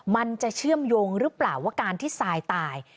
มันจะเชื่อมโยงหรือเปล่าว่าการที่ทรายตาย